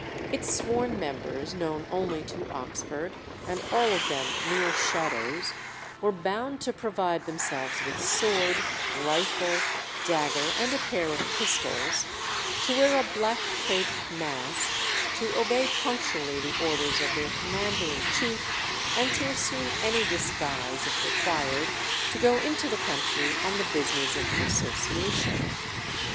Its sworn members, known only to Oxford, and all of them mere shadows, were bound to provide themselves with sword, rifle, dagger, and a pair of pistols; to wear a black crape mask, to obey punctually the orders of their commander in chief, and to assume any disguise, if required to go into the country on the business of the association.